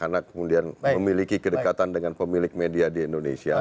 karena kemudian memiliki kedekatan dengan pemilik media di indonesia